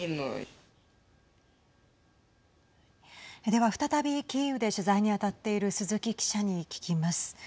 では再びキーウで取材にあたっている鈴木記者に聞きます。